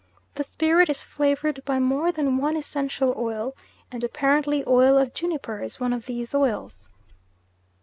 The spirit is flavoured by more than one essential oil, and apparently oil of juniper is one of these oils.